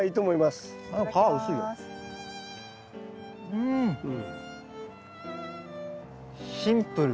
うんシンプル。